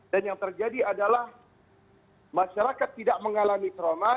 dan yang terjadi adalah masyarakat tidak mengalami trauma